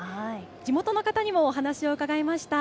地元の方にもお話を伺いました。